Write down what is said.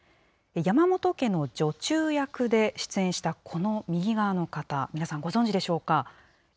山本家の女中役で出演したこの右側の方、皆さんご存じでしょうか。